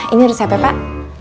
ini resepnya pak